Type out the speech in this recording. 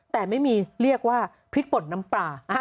แต่ไม่มีเรียกว่าพริกป่นน้ำปลา